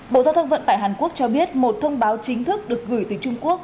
bộ giao thông vận tải hàn quốc cho biết một thông báo chính thức được gửi từ trung quốc